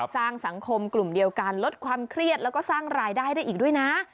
สร้างสังคมกลุ่มเดียวกันลดความเครียดแล้วก็สร้างรายได้ได้อีกด้วยนะ